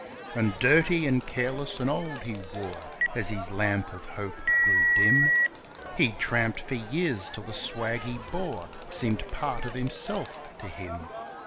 And dirty and careless and old he wore, as his lamp of hope grew dim; He tramped for years till the swag he bore seemed part of himself to him.